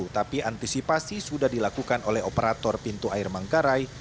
tapi antisipasi sudah dilakukan oleh operator pintu air manggarai